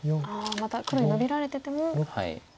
また黒にノビられてても。